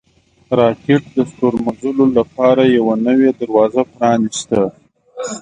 راکټ د ستورمزلو لپاره یوه نوې دروازه پرانیسته